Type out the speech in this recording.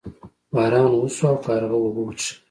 باران وشو او کارغه اوبه وڅښلې.